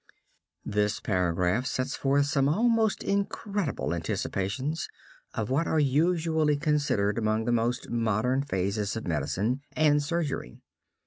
This paragraph sets forth some almost incredible anticipations of what are usually considered among the most modern phases of medicine and surgery.